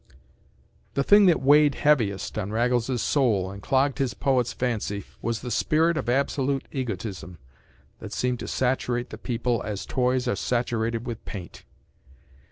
The thing that weighed heaviest on Raggles’s soul and clogged his poet’s fancy was the spirit of absolute egotism that seemed to saturate the people as toys are saturated with paint.